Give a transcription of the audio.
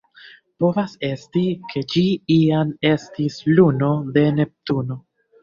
Povas esti, ke ĝi iam estis luno de Neptuno.